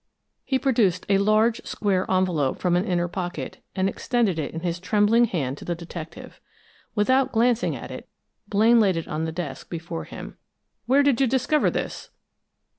He produced a large, square envelope from an inner pocket, and extended it in his trembling hand to the detective. Without glancing at it, Blaine laid it on the desk before him. "Where did you discover this?"